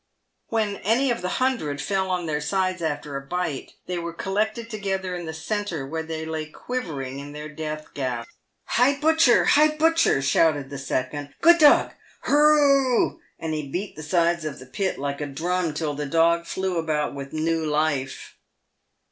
When any of the hundred fell on their sides after a bite, they were collected together in the centre, where they lay quivering in their death gasps. "Hi, Butcher! hi, Butcher!" shouted the second. "Good dog! Hurr r r r h !" and he beat the sides of the pit, like a drum, till the dog flew about with new life.